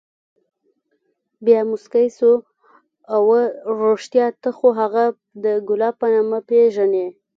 بيا موسكى سو اوه رښتيا ته خو هغه د ګلاب په نامه پېژنې.